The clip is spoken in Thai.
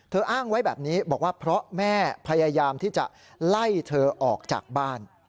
อ้างไว้แบบนี้บอกว่าเพราะแม่พยายามที่จะไล่เธอออกจากบ้าน